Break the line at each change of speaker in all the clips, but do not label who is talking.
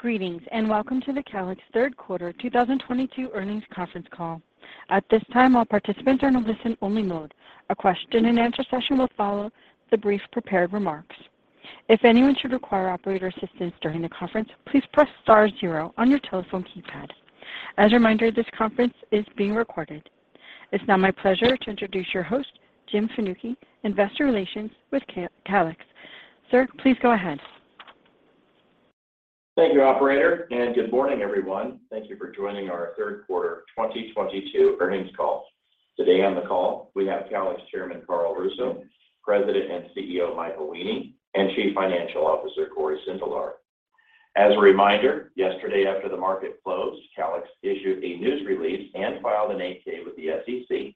Greetings, and welcome to the Calix third quarter 2022 earnings conference call. At this time, all participants are in listen only mode. A question and answer session will follow the brief prepared remarks. If anyone should require operator assistance during the conference, please press star zero on your telephone keypad. As a reminder, this conference is being recorded. It's now my pleasure to introduce your host, Jim Fanucchi, Investor Relations with Calix. Sir, please go ahead.
Thank you, operator, and good morning, everyone. Thank you for joining our third quarter 2022 earnings call. Today on the call we have Calix Chairman Carl Russo, President and CEO Michael Weening, and Chief Financial Officer Cory Sindelar. As a reminder, yesterday after the market closed, Calix issued a news release and filed an 8-K with the SEC,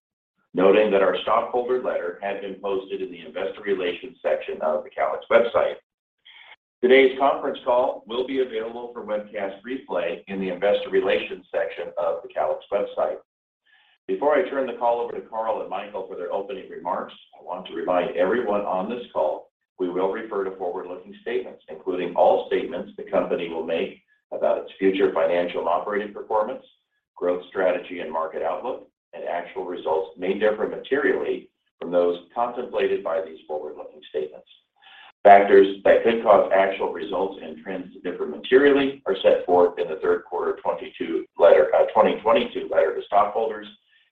noting that our stockholder letter had been posted in the investor relations section of the Calix website. Today's conference call will be available for webcast replay in the investor relations section of the Calix website. Before I turn the call over to Carl and Michael for their opening remarks, I want to remind everyone on this call. We will refer to forward-looking statements, including all statements the company will make about its future financial and operating performance, growth strategy, and market outlook. Actual results may differ materially from those contemplated by these forward-looking statements. Factors that could cause actual results and trends to differ materially are set forth in the third quarter 2022 letter to stockholders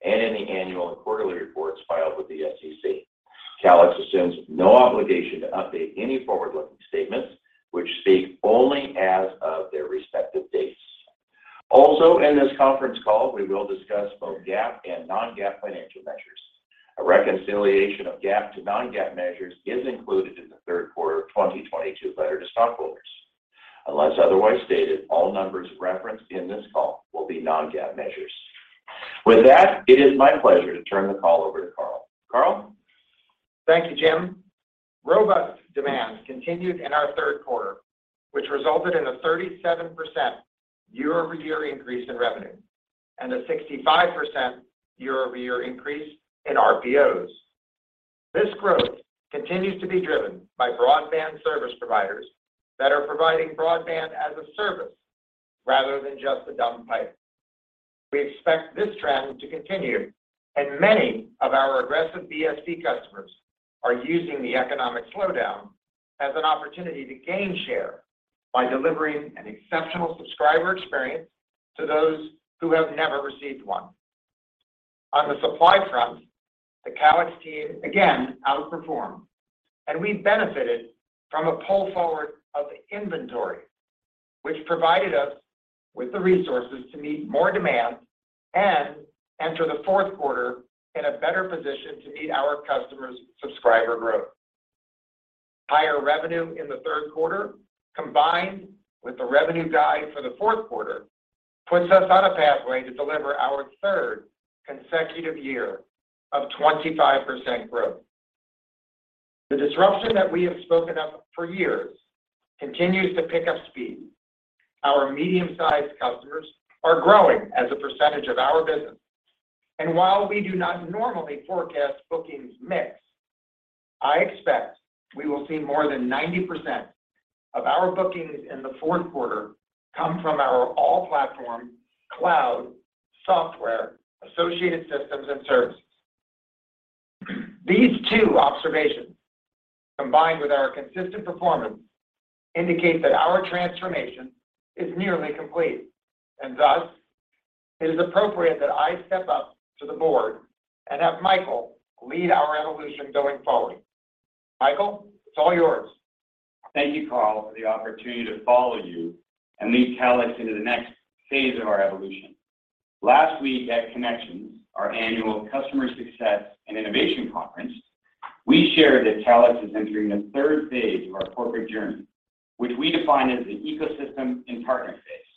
and in the annual and quarterly reports filed with the SEC. Calix assumes no obligation to update any forward-looking statements which speak only as of their respective dates. Also in this conference call, we will discuss both GAAP and Non-GAAP financial measures. A reconciliation of GAAP to Non-GAAP measures is included in the third quarter of 2022 letter to stockholders. Unless otherwise stated, all numbers referenced in this call will be non-GAAP measures. With that, it is my pleasure to turn the call over to Carl. Carl.
Thank you, Jim. Robust demand continued in our third quarter, which resulted in a 37% year-over-year increase in revenue and a 65% year-over-year increase in RPOs. This growth continues to be driven by broadband service providers that are providing broadband as a service rather than just a dumb pipe. We expect this trend to continue, and many of our aggressive BSP customers are using the economic slowdown as an opportunity to gain share by delivering an exceptional subscriber experience to those who have never received one. On the supply front, the Calix team again outperformed, and we benefited from a pull forward of inventory, which provided us with the resources to meet more demand and enter the fourth quarter in a better position to meet our customers' subscriber growth. Higher revenue in the third quarter, combined with the revenue guide for the fourth quarter, puts us on a pathway to deliver our third consecutive year of 25% growth. The disruption that we have spoken of for years continues to pick up speed. Our medium-sized customers are growing as a percentage of our business. While we do not normally forecast bookings mix, I expect we will see more than 90% of our bookings in the fourth quarter come from our all platform cloud software associated systems and services. These two observations, combined with our consistent performance, indicate that our transformation is nearly complete, and thus it is appropriate that I step up to the board and have Michael lead our evolution going forward. Michael, it's all yours.
Thank you, Carl, for the opportunity to follow you and lead Calix into the next phase of our evolution. Last week at ConneXions, our annual customer success and innovation conference, we shared that Calix is entering the third phase of our corporate journey, which we define as the ecosystem and partner phase.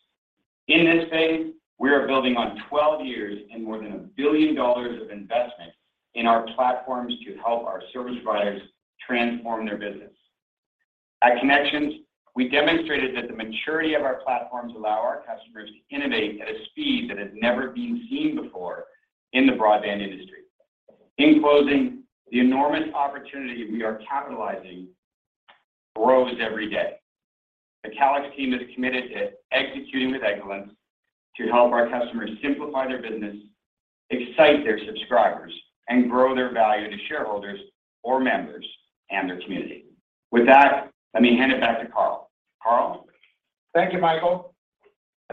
In this phase, we are building on 12 years and more than $1 billion of investment in our platforms to help our service providers transform their business. At ConneXions, we demonstrated that the maturity of our platforms allow our customers to innovate at a speed that has never been seen before in the broadband industry. In closing, the enormous opportunity we are capitalizing grows every day. The Calix team is committed to executing with excellence to help our customers simplify their business, excite their subscribers, and grow their value to shareholders or members and their community. With that, let me hand it back to Carl. Carl.
Thank you, Michael.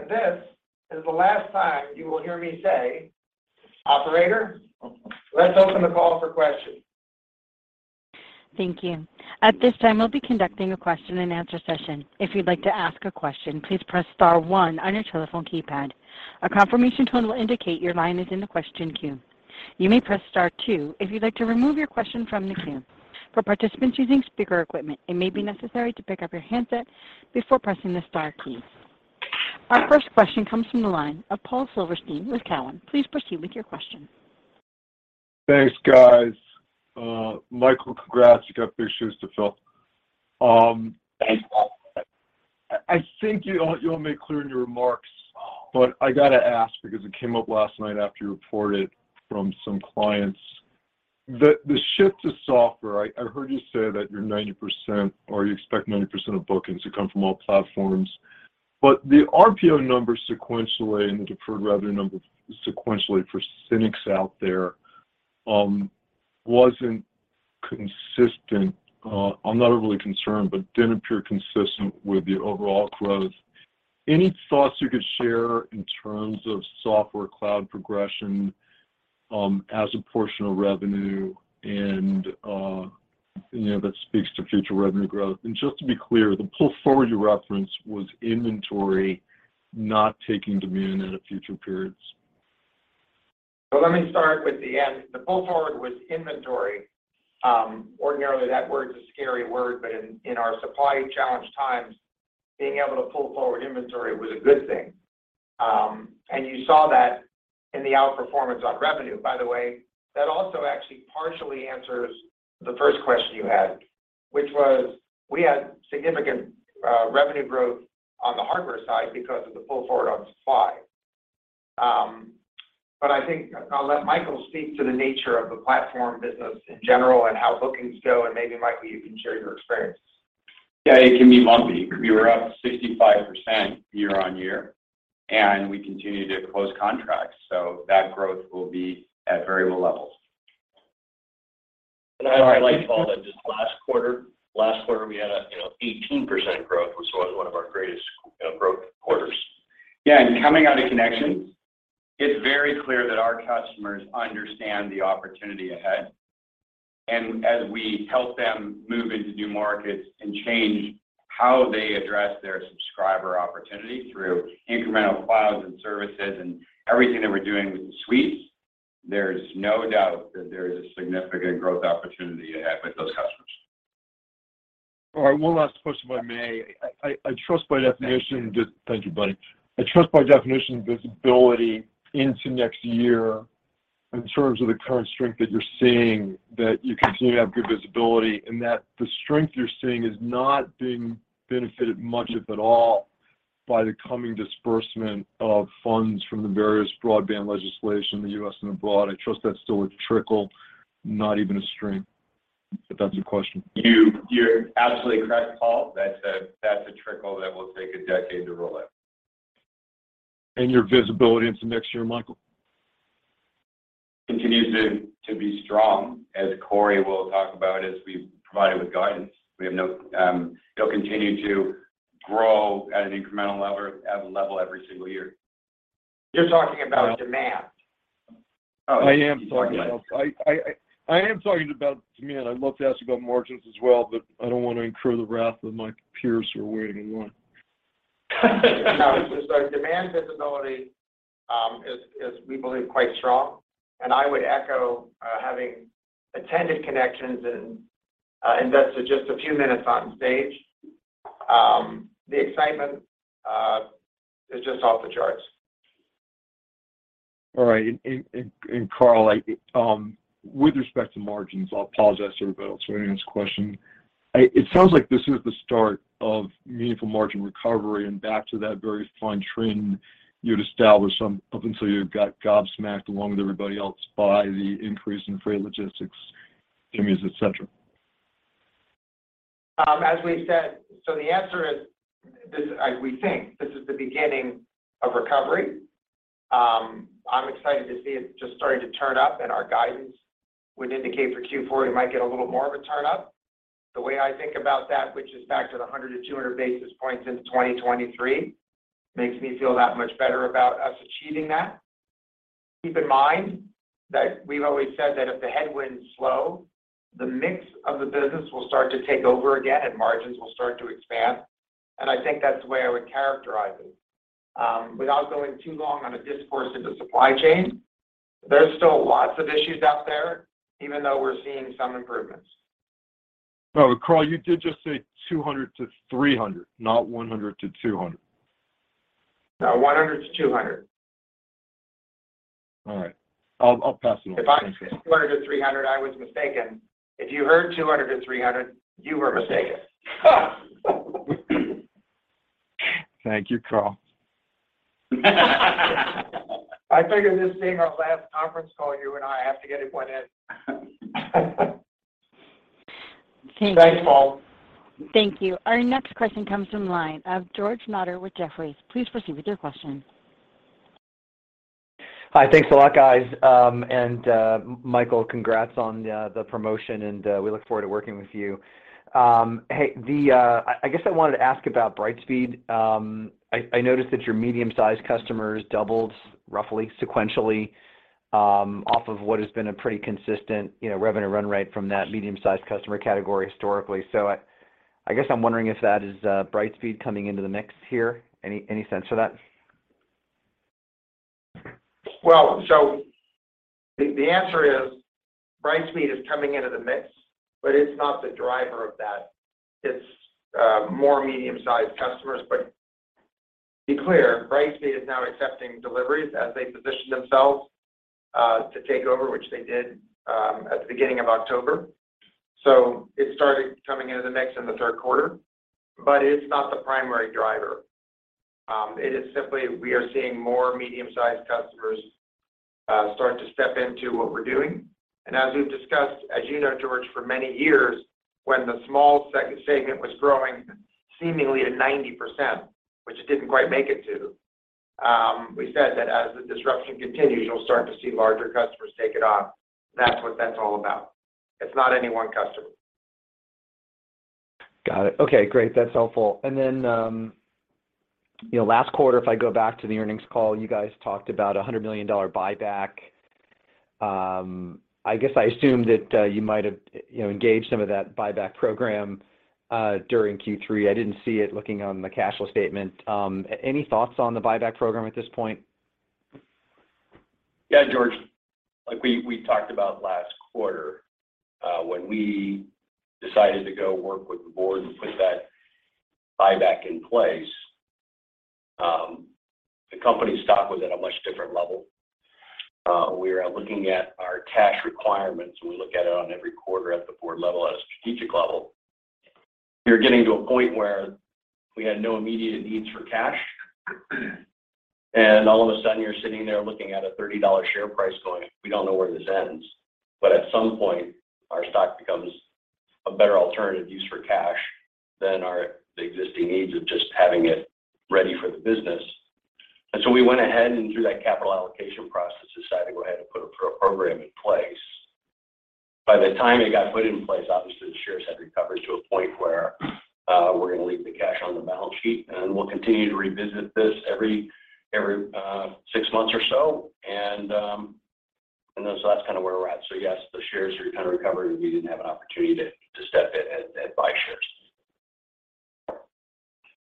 This is the last time you will hear me say, operator, let's open the call for questions.
Thank you. At this time, we'll be conducting a question and answer session. If you'd like to ask a question, please press star one on your telephone keypad. A confirmation tone will indicate your line is in the question queue. You may press star two if you'd like to remove your question from the queue. For participants using speaker equipment, it may be necessary to pick up your handset before pressing the star key. Our first question comes from the line of Paul Silverstein with Cowen. Please proceed with your question.
Thanks, guys. Michael, congrats. You got big shoes to fill.
Thank you.
I think you all made clear in your remarks, but I got to ask because it came up last night after you reported from some clients. The shift to software, I heard you say that you're 90% or you expect 90% of bookings to come from all platforms. But the RPO numbers sequentially and deferred revenue numbers sequentially for cynics out there, wasn't consistent. I'm not overly concerned, but didn't appear consistent with the overall growth. Any thoughts you could share in terms of software cloud progression, as a portion of revenue and, you know, that speaks to future revenue growth? Just to be clear, the pull forward you referenced was inventory not taking demand into future periods.
Let me start with the end. The pull forward was inventory. Ordinarily, that word is a scary word, but in our supply challenged times, being able to pull forward inventory was a good thing. You saw that in the outperformance on revenue. By the way, that also actually partially answers the first question you had, which was we had significant revenue growth on the hardware side because of the pull forward on supply. I think I'll let Michael speak to the nature of the platform business in general and how bookings go, and maybe, Michael, you can share your experience.
Yeah. It can be lumpy. We were up 65% year-over-year, and we continue to close contracts, so that growth will be at variable levels.
And I-
I would like, Paul, that just last quarter we had, you know, 18% growth, which was one of our greatest growth quarters.
Yeah. Coming out of ConneXions, it's very clear that our customers understand the opportunity ahead. As we help them move into new markets and change how they address their subscriber opportunity through incremental clouds and services and everything that we're doing with Suites, there's no doubt that there is a significant growth opportunity ahead with those customers.
All right. One last question, if I may. Thank you, buddy. I trust by definition visibility into next year in terms of the current strength that you're seeing, that you continue to have good visibility and that the strength you're seeing is not being benefited much, if at all, by the coming disbursement of funds from the various broadband legislation in the U.S. and abroad. I trust that's still a trickle, not even a stream. If that's a question.
You're absolutely correct, Paul. That's a trickle that will take a decade to roll out.
Your visibility into next year, Michael?
Continues to be strong, as Cory will talk about as we provide it with guidance. It'll continue to grow at an incremental level every single year.
You're talking about demand.
I am talking about demand. I'd love to ask you about margins as well, but I don't want to incur the wrath of my peers who are waiting in line.
No. Demand visibility is, we believe, quite strong. I would echo, having attended ConneXions, and those are just a few minutes on stage, the excitement is just off the charts.
All right. Carl, with respect to margins, I apologize to everybody else for asking this question. It sounds like this is the start of meaningful margin recovery and back to that very fine trend you'd established some up until you got gobsmacked along with everybody else by the increase in freight logistics, PMUs, et cetera.
As we said, the answer is this, we think this is the beginning of recovery. I'm excited to see it just starting to turn up and our guidance would indicate for Q4, it might get a little more of a turn up. The way I think about that, which is back to the 100-200 basis points into 2023, makes me feel that much better about us achieving that. Keep in mind that we've always said that if the headwinds slow, the mix of the business will start to take over again and margins will start to expand. I think that's the way I would characterize it. Without going too long on a discourse into supply chain, there's still lots of issues out there, even though we're seeing some improvements.
No. Carl, you did just say 200-300, not 100-200.
No, 100 - 200.
All right. I'll pass it on. Thank you.
If I said 200-300, I was mistaken. If you heard 200-300, you were mistaken.
Thank you, Carl.
I figured this being our last conference call, you and I have to get one in. Thanks, Paul.
Thank you. Our next question comes from the line of George Notter with Jefferies. Please proceed with your question.
Hi. Thanks a lot, guys. Michael, congrats on the promotion, and we look forward to working with you. I guess I wanted to ask about Brightspeed. I noticed that your medium-sized customers doubled roughly sequentially, off of what has been a pretty consistent, you know, revenue run rate from that medium-sized customer category historically. So I guess I'm wondering if that is Brightspeed coming into the mix here. Any sense of that?
Well, the answer is Brightspeed is coming into the mix, but it's not the driver of that. It's more medium-sized customers. Be clear, Brightspeed is now accepting deliveries as they position themselves to take over, which they did at the beginning of October. It started coming into the mix in the third quarter, but it's not the primary driver. It is simply we are seeing more medium-sized customers start to step into what we're doing. As we've discussed, as you know, George, for many years, when the small segment was growing seemingly at 90%, which it didn't quite make it to, we said that as the disruption continues, you'll start to see larger customers take it on. That's what that's all about. It's not any one customer.
Got it. Okay, great. That's helpful. Then, you know, last quarter, if I go back to the earnings call, you guys talked about a $100 million buyback. I guess I assumed that you might have, you know, engaged some of that buyback program during Q3. I didn't see it looking on the cash flow statement. Any thoughts on the buyback program at this point?
Yeah, George. Like we talked about last quarter, when we decided to go work with the board and put that buyback in place, the company stock was at a much different level. We are looking at our cash requirements, and we look at it every quarter at the board level, at a strategic level. We were getting to a point where we had no immediate needs for cash. All of a sudden, you're sitting there looking at a $30 share price going, "We don't know where this ends." At some point, our stock becomes a better alternative use for cash than the existing needs of just having it ready for the business. We went ahead, and through that capital allocation process, decided to go ahead and put a program in place. By the time it got put in place, obviously, the shares had recovered to a point where we're gonna leave the cash on the balance sheet, and we'll continue to revisit this every six months or so. That's kind of where we're at. Yes, the shares are kind of recovered, and we didn't have an opportunity to step in and buy shares.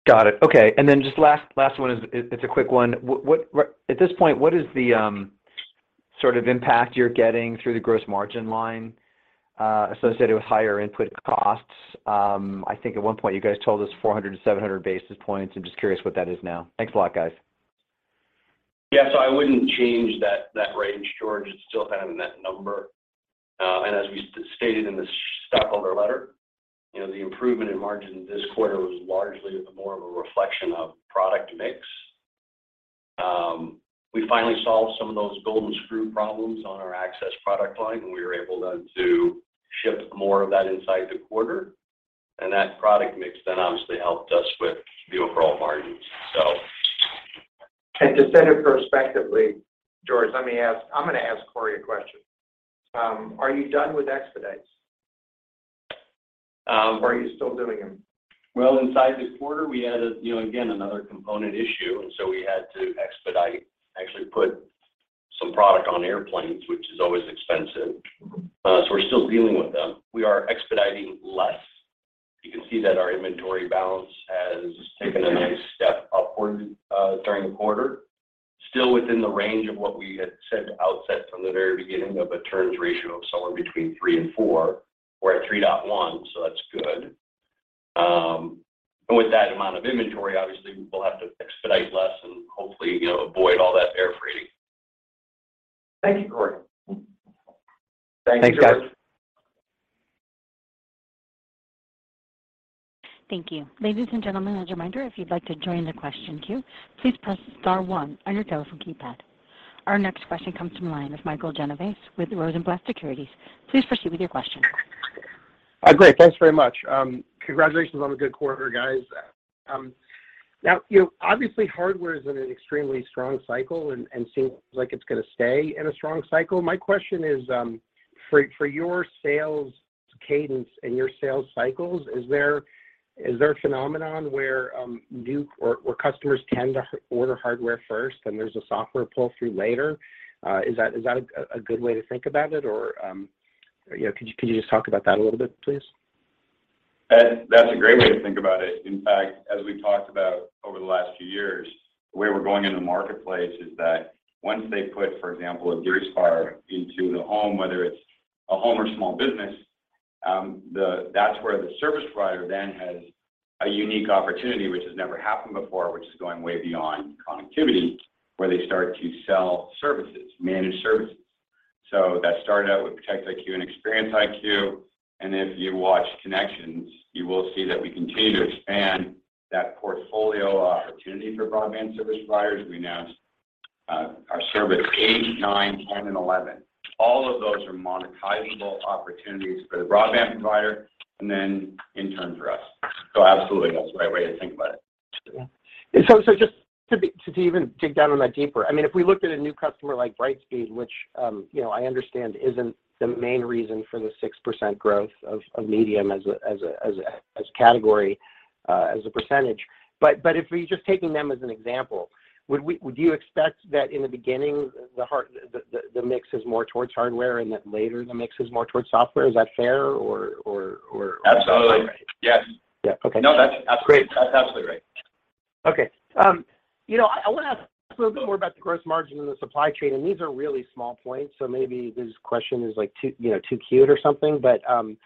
Got it. Okay. Just last one is, it's a quick one. At this point, what is the sort of impact you're getting through the gross margin line associated with higher input costs? I think at one point you guys told us 400-700 basis points. I'm just curious what that is now. Thanks a lot, guys.
Yeah. I wouldn't change that range, George. It's still kind of in that number. As we stated in the stockholder letter, you know, the improvement in margin this quarter was largely more of a reflection of product mix. We finally solved some of those golden screw problems on our access product line, and we were able to ship more of that inside the quarter. That product mix then obviously helped us with the overall margins.
To say it prospectively, George, I'm gonna ask Cory a question. Are you done with expedites?
Um.
Are you still doing them?
Well, inside this quarter we had, you know, again, another component issue, and so we had to expedite, actually put some product on airplanes, which is always expensive. We're still dealing with them. We are expediting less. You can see that our inventory balance has taken a nice step upward during the quarter. Still within the range of what we had said outset from the very beginning of a turns ratio of somewhere between three and four. We're at 3.1, so that's good. With that amount of inventory, obviously we will have to expedite less and hopefully, you know, avoid all that air freighting.
Thank you, Cory.
Thanks, George.
Thanks, guys.
Thank you. Ladies and gentlemen, as a reminder, if you'd like to join the question queue, please press star one on your telephone keypad. Our next question comes from the line of Michael Genovese with Rosenblatt Securities. Please proceed with your question.
Great. Thanks very much. Congratulations on a good quarter, guys. Now, you know, obviously hardware is in an extremely strong cycle and seems like it's gonna stay in a strong cycle. My question is, for your sales cadence and your sales cycles, is there a phenomenon where new or customers tend to order hardware first, then there's a software pull-through later? Is that a good way to think about it? You know, could you just talk about that a little bit, please?
That's a great way to think about it. In fact, as we talked about over the last few years, the way we're going in the marketplace is that once they put, for example, a GigaSpire into the home, whether it's a home or small business, that's where the service provider then has a unique opportunity, which has never happened before, which is going way beyond connectivity, where they start to sell services, managed services. That started out with ProtectIQ and ExperienceIQ. If you watch ConneXions, you will see that we continue to expand that portfolio opportunity for broadband service providers. We announced our service eight ,nine, 10, and 11. All of those are monetizable opportunities for the broadband provider and then in turn for us. Absolutely, that's the right way to think about it.
Just to even dig down on that deeper. I mean, if we looked at a new customer like Brightspeed, which, you know, I understand isn't the main reason for the 6% growth of medium as a category as a percentage. If we're just taking them as an example, would you expect that in the beginning, the mix is more towards hardware and that later the mix is more towards software? Is that fair or am I not right?
Absolutely. Yes.
Yeah. Okay.
No, that's.
Great.
That's absolutely right.
Okay. You know, I wanna ask a little bit more about the gross margin and the supply chain, and these are really small points, so maybe this question is like too, you know, too cute or something. Cory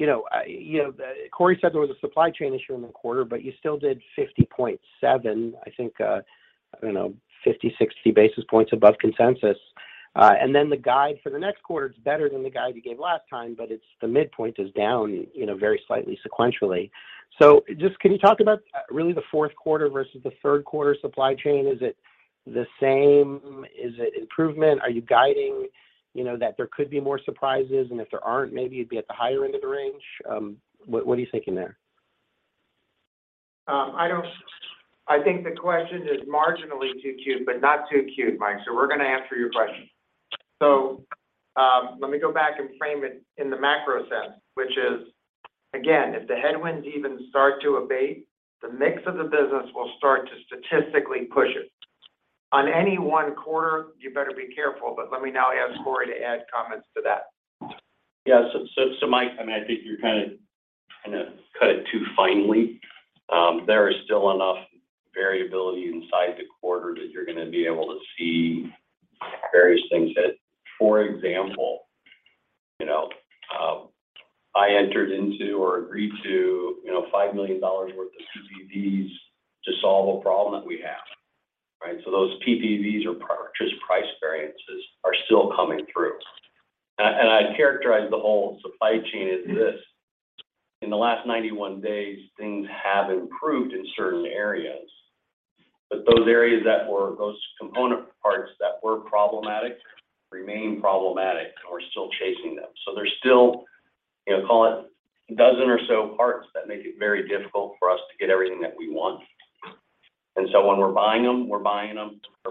said there was a supply chain issue in the quarter, but you still did 50.7%, I think, I don't know, 50, 60 basis points above consensus. And then the guide for the next quarter is better than the guide you gave last time, but it's the midpoint is down, you know, very slightly sequentially. Just can you talk about really the fourth quarter versus the third quarter supply chain? Is it the same? Is it improvement? Are you guiding, you know, that there could be more surprises, and if there aren't, maybe you'd be at the higher end of the range? What are you thinking there?
I think the question is marginally too cute, but not too cute, Mike. We're going to answer your question. Let me go back and frame it in the macro sense, which is, again, if the headwinds even start to abate, the mix of the business will start to statistically push it. On any one quarter, you better be careful, but let me now ask Cory to add comments to that.
Yes. Mike, I mean, I think you're kinda cut it too finely. There is still enough variability inside the quarter that you're going to be able to see various things that. For example, you know, I entered into or agreed to, you know, $5 million worth of PPVs to solve a problem that we have, right? Those PPVs or purchase price variances are still coming through. I'd characterize the whole supply chain as this. In the last 91 days, things have improved in certain areas. Those component parts that were problematic remain problematic, and we're still chasing them. There's still, you know, call it a dozen or so parts that make it very difficult for us to get everything that we want. When we're buying them, we're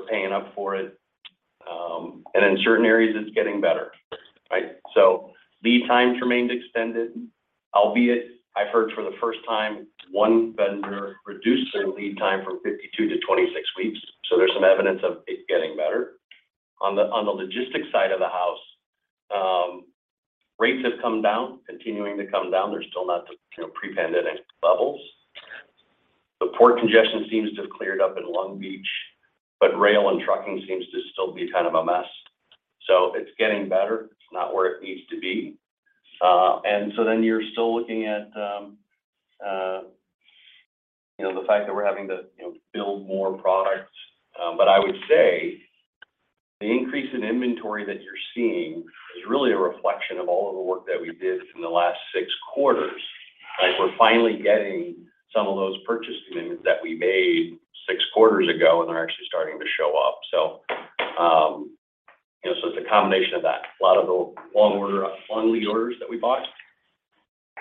paying up for it. In certain areas, it's getting better, right? Lead times remained extended, albeit I've heard for the first time one vendor reduced their lead time from 52weeks to 26 weeks. There's some evidence of it getting better. On the logistics side of the house, rates have come down, continuing to come down. They're still not to, you know, pre-pandemic levels. The port congestion seems to have cleared up in Long Beach, but rail and trucking seems to still be kind of a mess. It's getting better. It's not where it needs to be. You're still looking at, you know, the fact that we're having to, you know, build more products. I would say the increase in inventory that you're seeing is really a reflection of all of the work that we did in the last six quarters, right? We're finally getting some of those purchase commitments that we made six quarters ago, and they're actually starting to show up. You know, it's a combination of that. A lot of the long lead orders that we bought,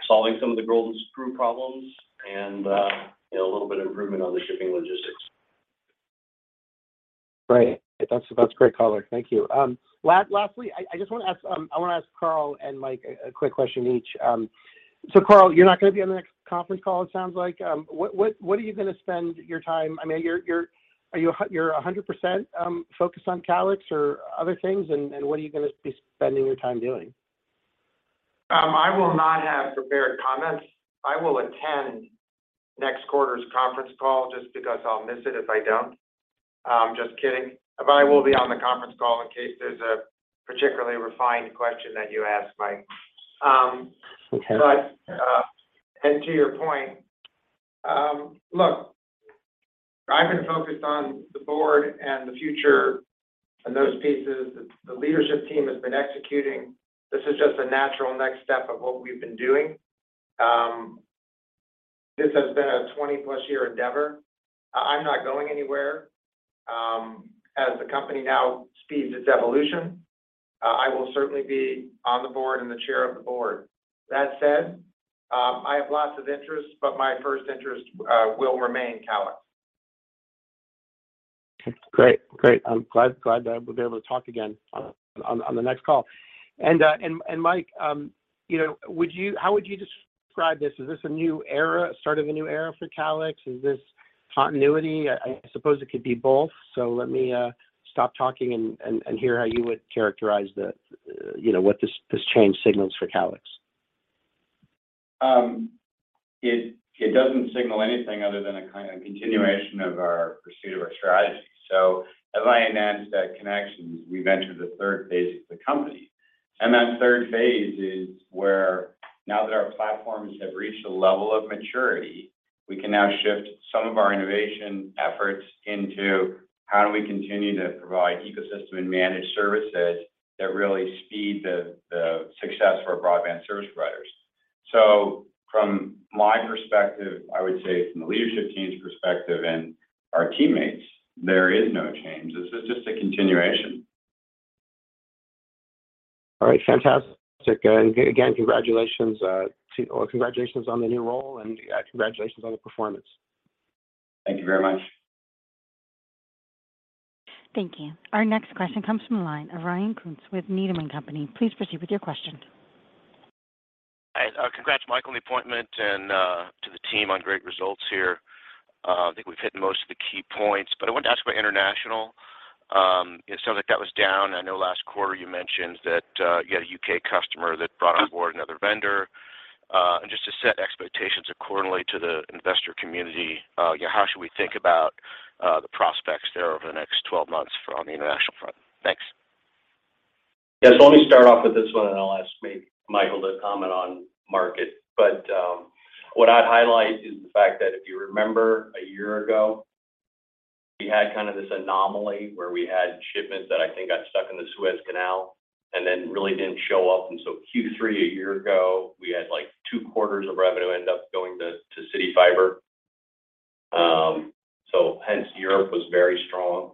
solving some of the golden screw problems, and, you know, a little bit of improvement on the shipping logistics.
Right. That's a great color. Thank you. Lastly, I just want to ask Carl and Mike a quick question each. Carl, you're not going to be on the next conference call, it sounds like. What are you going to spend your time? I mean, are you 100% focused on Calix or other things, and what are you going to be spending your time doing?
I will not have prepared comments. I will attend next quarter's conference call just because I'll miss it if I don't. Just kidding. I will be on the conference call in case there's a particularly refined question that you ask, Mike.
Okay.
To your point, look, I've been focused on the board and the future and those pieces. The leadership team has been executing. This is just a natural next step of what we've been doing. This has been a 20+ year endeavor. I'm not going anywhere, as the company now speeds its evolution. I will certainly be on the board and the chair of the board. That said, I have lots of interests, but my first interest will remain Calix.
Great. I'm glad that we'll be able to talk again on the next call. Mike, you know, how would you describe this? Is this a new era, start of a new era for Calix? Is this continuity? I suppose it could be both. Let me stop talking and hear how you would characterize the, you know, what this change signals for Calix.
It doesn't signal anything other than a kind of continuation of our pursuit of our strategy. As I announced at ConneXions, we've entered the third phase of the company. That third phase is where now that our platforms have reached a level of maturity, we can now shift some of our innovation efforts into how do we continue to provide ecosystem and managed services that really speed the success for our broadband service providers. From my perspective, I would say from the leadership team's perspective and our teammates, there is no change. This is just a continuation.
All right. Fantastic. Again, congratulations or congratulations on the new role and congratulations on the performance.
Thank you very much.
Thank you. Our next question comes from the line of Ryan Koontz with Needham & Company. Please proceed with your question.
Hi. Congrats, Michael, on the appointment and to the team on great results here. I think we've hit most of the key points, but I wanted to ask about international. It sounds like that was down. I know last quarter you mentioned that you had a U.K. customer that brought on board another vendor. Just to set expectations accordingly to the investor community, you know, how should we think about the prospects there over the next 12 months from the international front? Thanks.
Yeah. Let me start off with this one, and I'll ask Michael to comment on market. What I'd highlight is the fact that if you remember a year ago, we had kind of this anomaly where we had shipments that I think got stuck in the Suez Canal and then really didn't show up. Q3 a year ago, we had, like, two quarters of revenue end up going to CityFibre. Hence Europe was very strong.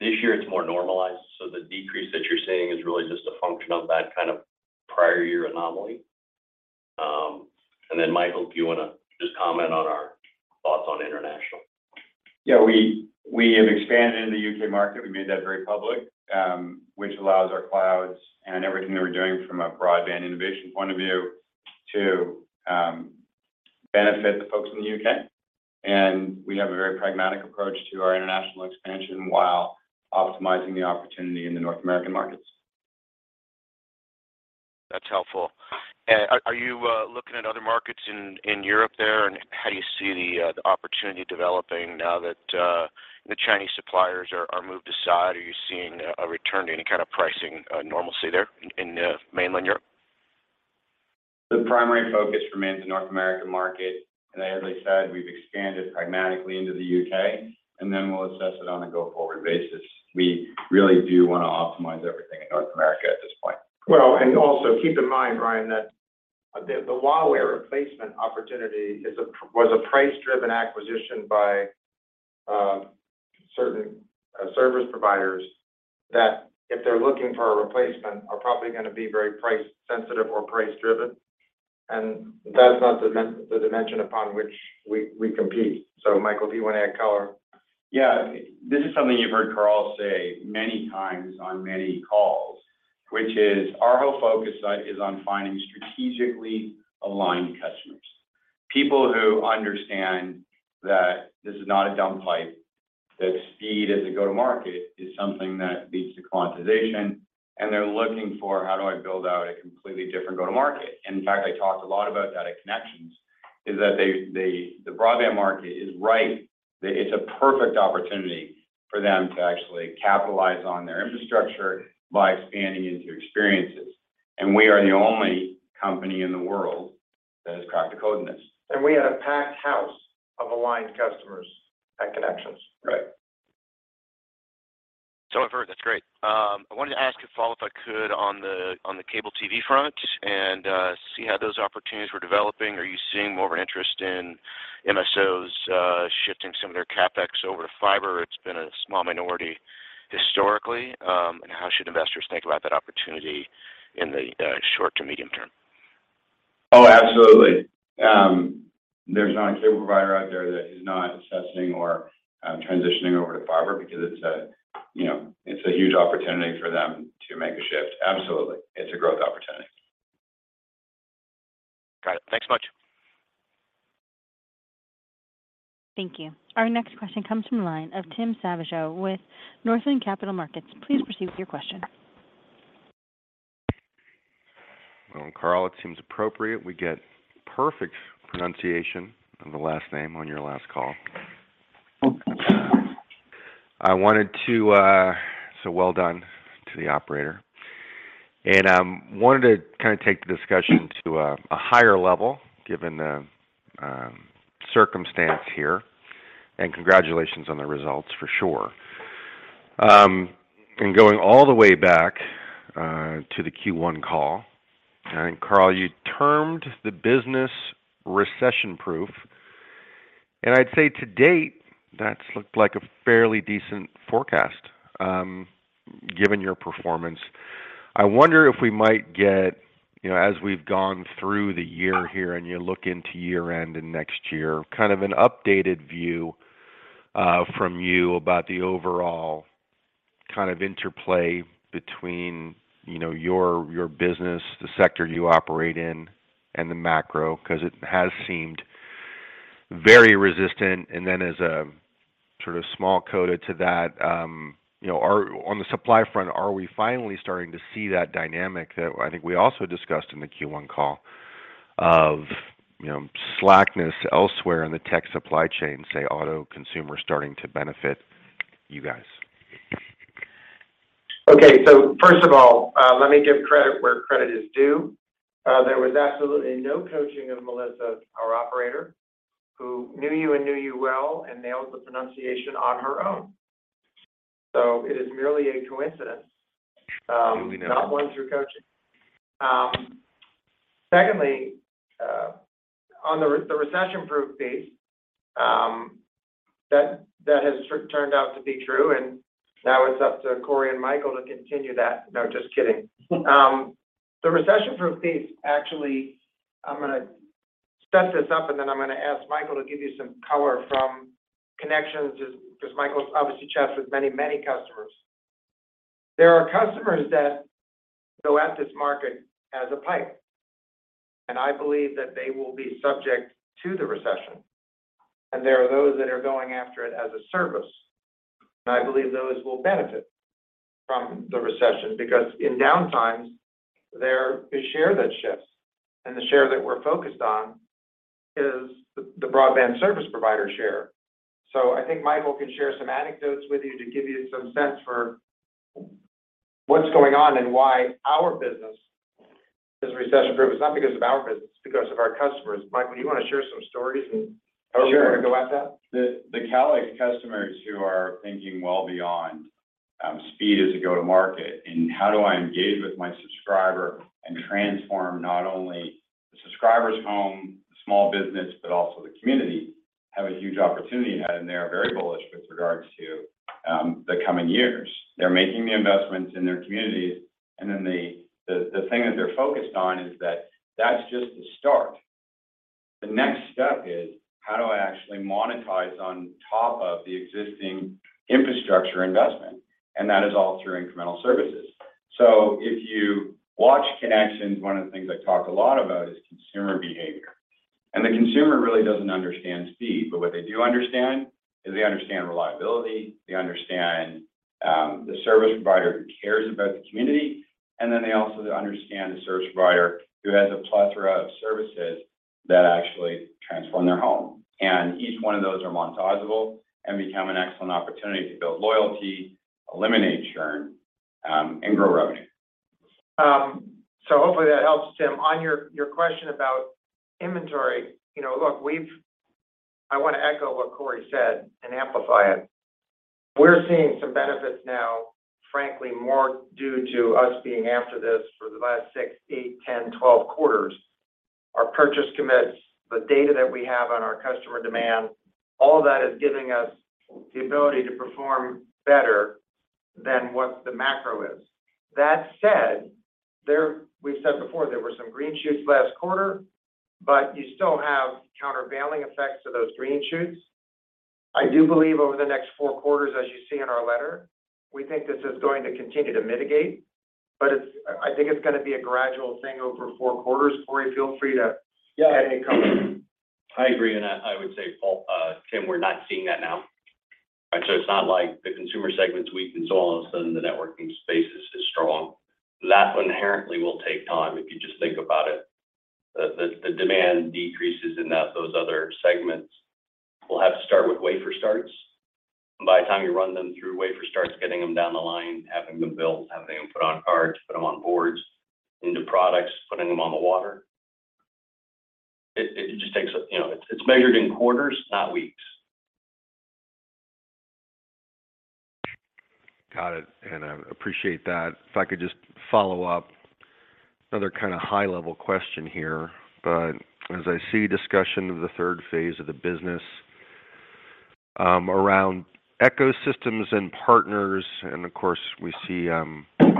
This year it's more normalized, so the decrease that you're seeing is really just a function of that kind of prior year anomaly. Then Michael, do you wanna just comment on our thoughts on international?
Yeah. We have expanded in the U.K. market. We made that very public, which allows our clouds and everything that we're doing from a broadband innovation point of view to benefit the folks in the U.K. We have a very pragmatic approach to our international expansion while optimizing the opportunity in the North American markets.
That's helpful. Are you looking at other markets in Europe there, and how do you see the opportunity developing now that the Chinese suppliers are moved aside? Are you seeing a return to any kind of pricing normalcy there in mainland Europe?
The primary focus remains the North America market. As I said, we've expanded pragmatically into the U.K., and then we'll assess it on a go-forward basis. We really do wanna optimize everything in North America at this point.
Well, also keep in mind, Ryan, that the Huawei replacement opportunity was a price-driven acquisition by certain service providers that if they're looking for a replacement, are probably gonna be very price sensitive or price driven. That's not the main dimension upon which we compete. Michael, do you wanna add color?
Yeah. This is something you've heard Carl say many times on many calls, which is our whole focus is on finding strategically aligned customers. People who understand that this is not a dumb pipe, that speed as a go-to-market is something that leads to commoditization, and they're looking for, "How do I build out a completely different go-to-market?" In fact, I talked a lot about that at ConneXions, is that they the broadband market is ripe. That it's a perfect opportunity for them to actually capitalize on their infrastructure by expanding into experiences. We are the only company in the world that has cracked the code in this.
We had a packed house of aligned customers at ConneXions.
Right.
I've heard. That's great. I wanted to ask you to follow up, if I could, on the cable TV front and see how those opportunities were developing. Are you seeing more of an interest in MSOs shifting some of their CapEx over to fiber? It's been a small minority historically. How should investors think about that opportunity in the short to medium term?
Oh, absolutely. There's not a cable provider out there that is not assessing or transitioning over to fiber because it's a, you know, it's a huge opportunity for them to make a shift. Absolutely. It's a growth opportunity.
Got it. Thanks much.
Thank you. Our next question comes from the line of Tim Savageaux with Northland Capital Markets. Please proceed with your question.
Well, Carl, it seems appropriate we get perfect pronunciation of the last name on your last call. Well done to the operator. Wanted to kinda take the discussion to a higher level given the circumstance here, and congratulations on the results for sure. In going all the way back to the Q1 call, and Carl, you termed the business recession-proof. I'd say to date, that's looked like a fairly decent forecast, given your performance. I wonder if we might get, you know, as we've gone through the year here and you look into year-end and next year, kind of an updated view from you about the overall kind of interplay between, you know, your business, the sector you operate in and the macro. 'Cause it has seemed very resistant. As a sort of small coda to that, you know, on the supply front, are we finally starting to see that dynamic that I think we also discussed in the Q1 call of, you know, slackness elsewhere in the tech supply chain, say, auto, consumers starting to benefit you guys?
Okay. First of all, let me give credit where credit is due. There was absolutely no coaching of Melissa, our operator, who knew you and knew you well and nailed the pronunciation on her own. It is merely a coincidence.
Moving on.
Not one through coaching. Secondly, on the recession-proof piece, that has sort of turned out to be true, and now it's up to Cory and Michael to continue that. No, just kidding. The recession-proof piece, actually, I'm gonna set this up, and then I'm gonna ask Michael to give you some color from ConneXions just, 'cause Michael's obviously chats with many, many customers. There are customers that go at this market as a pipe, and I believe that they will be subject to the recession. There are those that are going after it as a service, and I believe those will benefit from the recession. Because in downtimes, there is share that shifts. The share that we're focused on is the broadband service provider share. I think Michael can share some anecdotes with you to give you some sense for what's going on and why our business is recession-proof. It's not because of our business, it's because of our customers. Michael, do you wanna share some stories?
Sure.
However you wanna go at that.
The Calix customers who are thinking well beyond speed as a go-to-market, and how do I engage with my subscriber and transform not only the subscriber's home, small business, but also the community, have a huge opportunity ahead, and they are very bullish with regards to the coming years. They're making the investments in their communities, and then the thing that they're focused on is that that's just the start. The next step is, how do I actually monetize on top of the existing infrastructure investment? That is all through incremental services. If you watch ConneXions, one of the things I talk a lot about is consumer behavior. The consumer really doesn't understand speed, but what they do understand is reliability, the service provider who cares about the community, and then they also understand the service provider who has a plethora of services that actually transform their home. Each one of those are monetizable and become an excellent opportunity to build loyalty, eliminate churn, and grow revenue.
Hopefully that helps, Tim. On your question about inventory, you know, look, I wanna echo what Cory said and amplify it. We're seeing some benefits now, frankly more due to us being after this for the last six, eight, 10, 12 quarters. Our purchase commits, the data that we have on our customer demand, all that is giving us the ability to perform better than what the macro is. That said, we've said before, there were some green shoots last quarter, but you still have countervailing effects to those green shoots. I do believe over the next 4 quarters, as you see in our letter, we think this is going to continue to mitigate, but I think it's gonna be a gradual thing over four quarters. Cory, feel free to.
Yeah.
Add any color.
I agree, and I would say, Paul, Tim, we're not seeing that now, right? It's not like the consumer segment's weak and so all of a sudden the networking space is strong. That inherently will take time, if you just think about it. The demand decreases in that those other segments will have to start with wafer starts. By the time you run them through wafer starts, getting them down the line, having them built, having them put on cards, put them on boards, into products, putting them on the water. It just takes, you know. It's measured in quarters, not weeks.
Got it. I appreciate that. If I could just follow up, another kinda high-level question here. As I see discussion of the third phase of the business, around ecosystems and partners, and of course, we see, you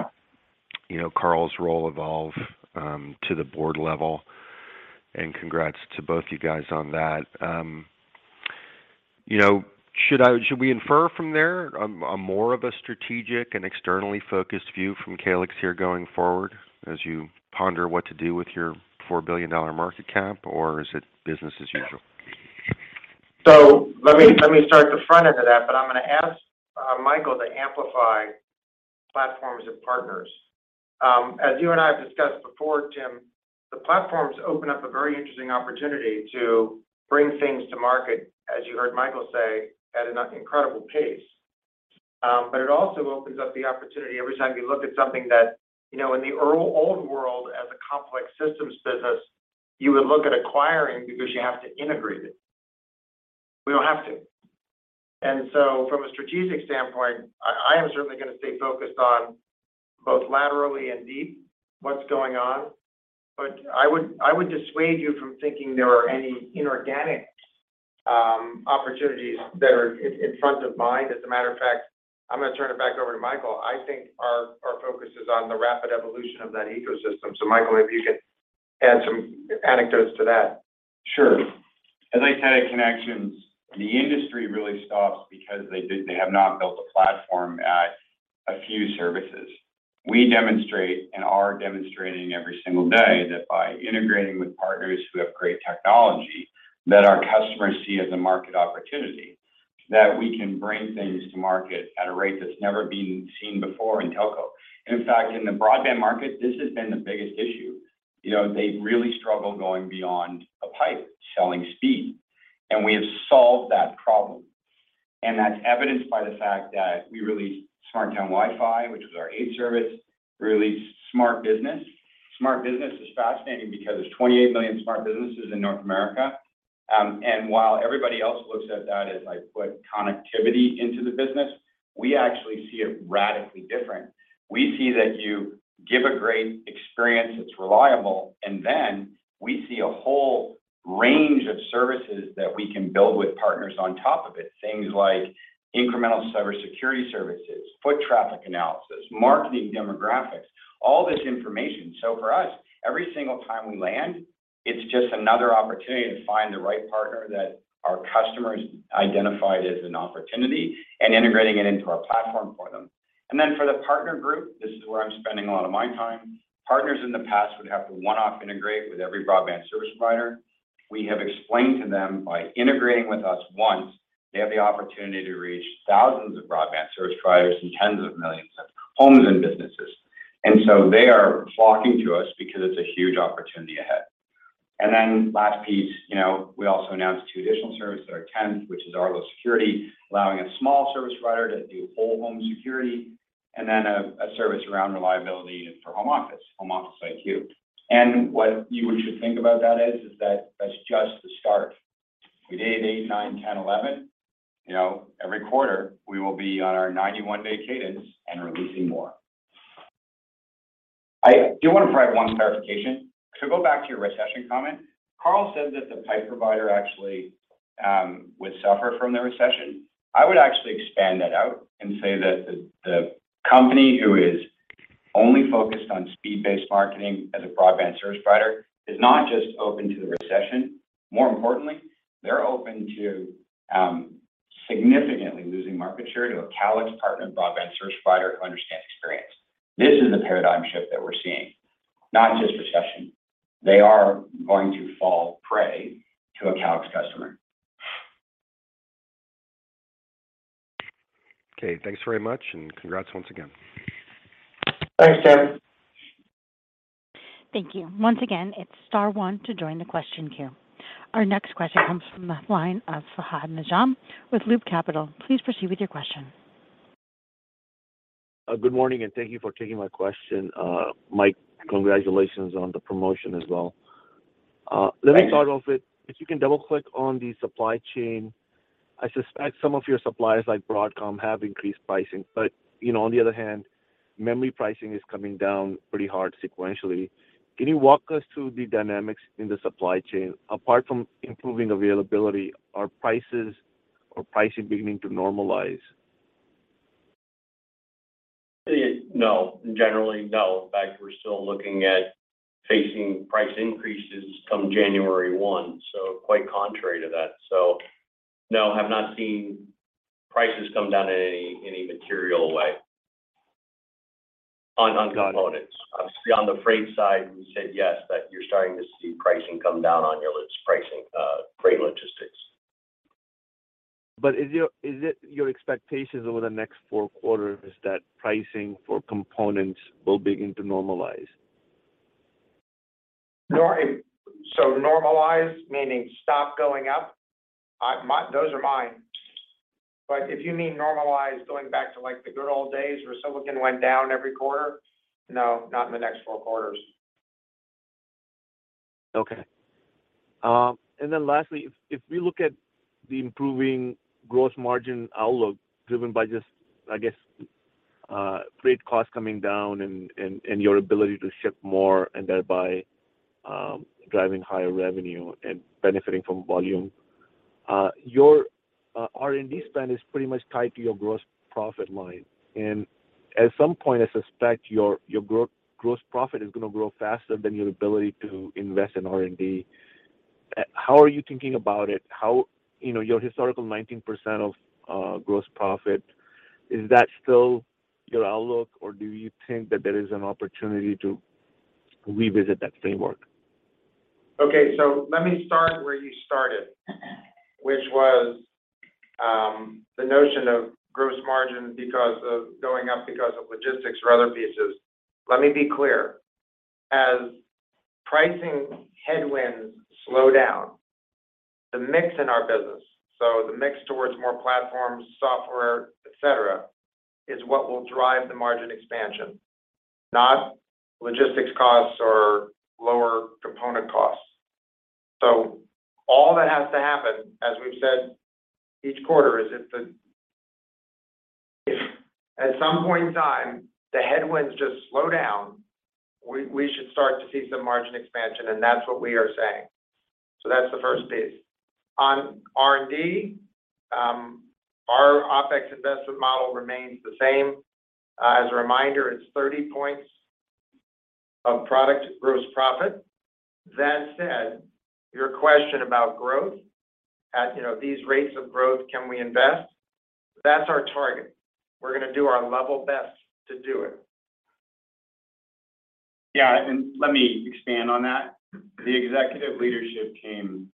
know, Carl's role evolve, to the board level, and congrats to both you guys on that. You know, should we infer from there a more of a strategic and externally focused view from Calix here going forward, as you ponder what to do with your $4 billion market cap, or is it business as usual?
Let me start the front end of that, but I'm gonna ask Michael to amplify platforms and partners. As you and I have discussed before, Tim, the platforms open up a very interesting opportunity to bring things to market, as you heard Michael say, at an incredible pace. But it also opens up the opportunity every time you look at something that in the old world as a complex systems business, you would look at acquiring because you have to integrate it. We don't have to. From a strategic standpoint, I am certainly gonna stay focused on both laterally and deep what's going on. I would dissuade you from thinking there are any inorganic opportunities that are in front of mind. As a matter of fact, I'm gonna turn it back over to Michael. I think our focus is on the rapid evolution of that ecosystem. Michael, if you could add some anecdotes to that.
Sure. As I said at ConneXions, the industry really stops because they have not built a platform or a few services. We demonstrate and are demonstrating every single day that by integrating with partners who have great technology that our customers see as a market opportunity, that we can bring things to market at a rate that's never been seen before in telco. In fact, in the broadband market, this has been the biggest issue. You know, they really struggle going beyond a pipe, selling speed, and we have solved that problem. That's evidenced by the fact that we released SmartTown Wi-Fi, which was our eighth service. We released SmartBiz. SmartBiz is fascinating because there's 28 million smart businesses in North America. And while everybody else looks at that as input connectivity into the business, we actually see it radically different. We see that you give a great experience that's reliable, and then we see a whole range of services that we can build with partners on top of it. Things like incremental cyber security services, foot traffic analysis, marketing demographics, all this information. For us, every single time we land, it's just another opportunity to find the right partner that our customers identified as an opportunity and integrating it into our platform for them. For the partner group, this is where I'm spending a lot of my time. Partners in the past would have to one-off integrate with every broadband service provider. We have explained to them by integrating with us once, they have the opportunity to reach thousands of broadband service providers and tens of millions of homes and businesses. They are flocking to us because it's a huge opportunity ahead. Then last piece, you know, we also announced two additional services that are tenth, which is Arlo Security, allowing a small service provider to do whole home security, and then a service around reliability for home office, HomeOfficeIQ. What you should think about that is that that's just the start. We did eight ,nine, 10, 11. You know, every quarter, we will be on our 91-day cadence and releasing more. I do want to provide 1 clarification. To go back to your recession comment, Carl said that the pipe provider actually would suffer from the recession. I would actually expand that out and say that the company who is only focused on speed-based marketing as a broadband service provider is not just open to the recession.
More importantly, they're open to significantly losing market share to a Calix partner and broadband service provider who understands experience. This is the paradigm shift that we're seeing, not just recession. They are going to fall prey to a Calix customer.
Okay. Thanks very much, and congrats once again.
Thanks, Tim.
Thank you. Once again, it's star one to join the question queue. Our next question comes from the line of Fahad Najam with Loop Capital. Please proceed with your question.
Good morning, and thank you for taking my question. Mike, congratulations on the promotion as well.
Thanks.
Let me start off with if you can double-click on the supply chain. I suspect some of your suppliers, like Broadcom, have increased pricing. You know, on the other hand, memory pricing is coming down pretty hard sequentially. Can you walk us through the dynamics in the supply chain? Apart from improving availability, are prices or pricing beginning to normalize?
No. Generally, no. In fact, we're still looking at facing price increases come January one, so quite contrary to that. No, have not seen prices come down in any material way on components. Obviously, on the freight side, we said yes, that you're starting to see pricing come down on ocean pricing, freight logistics.
Is it your expectations over the next four quarters that pricing for components will begin to normalize?
Normalized, meaning stop going up, those are mine. If you mean normalized going back to, like, the good old days where silicon went down every quarter, no, not in the next four quarters.
Okay. Lastly, if we look at the improving gross margin outlook driven by just, I guess, freight costs coming down and your ability to ship more and thereby driving higher revenue and benefiting from volume. Your R&D spend is pretty much tied to your gross profit line. At some point, I suspect your gross profit is going to grow faster than your ability to invest in R&D. How are you thinking about it? How you know your historical 19% of gross profit, is that still your outlook? Or do you think that there is an opportunity to revisit that framework?
Okay. Let me start where you started, which was the notion of gross margin going up because of logistics or other pieces. Let me be clear. As pricing headwinds slow down, the mix in our business, so the mix towards more platforms, software, et cetera, is what will drive the margin expansion, not logistics costs or lower component costs. All that has to happen, as we've said each quarter, is if at some point in time, the headwinds just slow down, we should start to see some margin expansion, and that's what we are saying. That's the first piece. On R&D, our OpEx investment model remains the same. As a reminder, it's 30 points of product gross profit. That said, your question about growth. At, you know, these rates of growth, can we invest? That's our target. We're going to do our level best to do it. Yeah. Let me expand on that. The executive leadership team